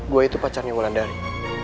gue itu pacarnya wulandari